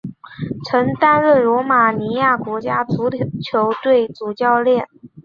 曾担任罗马尼亚国家足球队主教练。